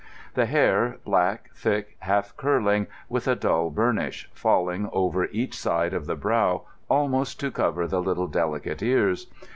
The hair black, thick, half curling, with a dull burnish, falling over each side of the brow almost to cover the little delicate ears.